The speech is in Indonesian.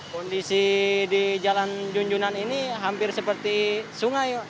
kondisi di jalan junjunan ini hampir seperti sungai